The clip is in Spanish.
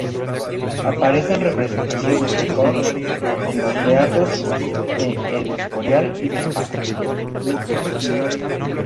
Aparecen representaciones de Gog en los Beatos de El Escorial y de Facundo.